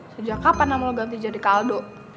sejak kapan nam lo ganti jadi kaldo